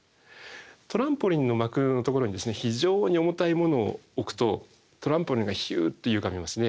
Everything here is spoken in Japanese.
トランポリンの膜のところに非常に重たいものを置くとトランポリンがヒュッてゆがみますね。